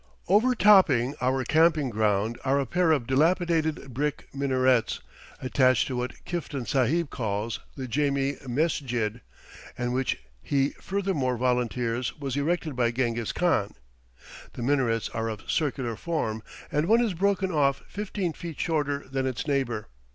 Overtopping our camping ground are a pair of dilapidated brick minarets, attached to what Kiftan Sahib calls the Jami Mesjid, and which he furthermore volunteers was erected by Ghengis Khan. The minarets are of circular form, and one is broken off fifteen feet shorter than its neighbor.